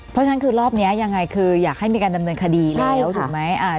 เพราะฉะนั้นคือรอบนี้ยังไงคืออยากให้มีการดำเนินคดีแล้วถูกไหม